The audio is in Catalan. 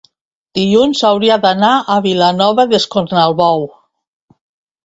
dilluns hauria d'anar a Vilanova d'Escornalbou.